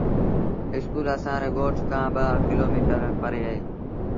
اسڪول اسآݩ ري ڳوٺ کآݩ ٻآ ڪلو ميٚٽر پري هُݩديٚ۔